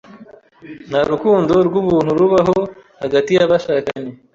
Nta rukundo rw’ubuntu rubaho hagati y’abashakanye,